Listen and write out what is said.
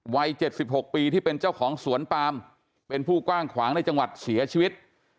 วัย๗๖ปีที่เป็นเจ้าของสวนปามเป็นผู้กว้างขวางในจังหวัดเสียชีวิต